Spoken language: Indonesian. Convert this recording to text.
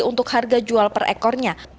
untuk harga jual per ekornya